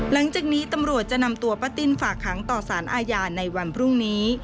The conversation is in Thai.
หลังจากนี้ตำรวจจะนำตัวป้าติ้นฝากหางต่อสารอาญาในวันพรุ่งนี้